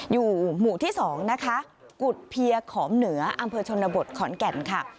อยู่หมู่ที่๒นะคะกุฎเพียขอมเหนืออำเภอชนบทขอนแก่นค่ะ